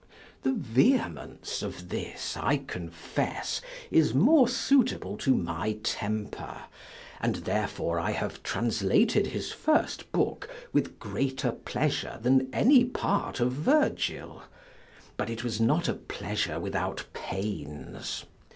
This vehemence of his, I confess, is more suitable to my temper; and therefore I have translated his first book with greater pleasure than any part of Virgil; but it was not a pleasure without pains.